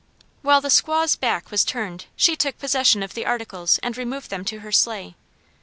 While the squaw's back was turned she took possession of the articles and removed them to her sleigh.